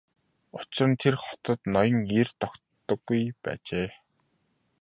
Учир нь тэр хотод ноён ер тогтдоггүй байжээ.